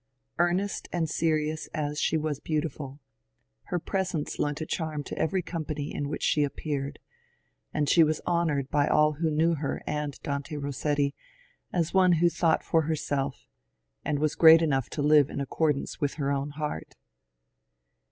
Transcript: Earnest and serious as she was beautiful, her presence lent a charm to every company in which she appeared ; and she was honoured by all who knew her and Dante Rossetti as one who thought for herself, and was gpreat enough to live in accordance with her own heart.